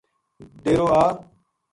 ڈیرو اِ